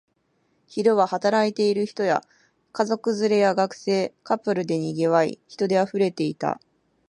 昼は働いている人や、家族連れや学生、カップルで賑わい、人で溢れていた